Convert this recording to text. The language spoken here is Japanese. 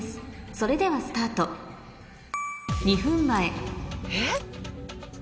それではスタート２分前え！